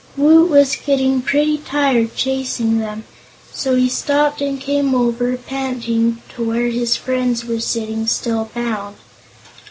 Woot was getting pretty tired chasing them, so he stopped and came over, panting, to where his friends were sitting, still bound.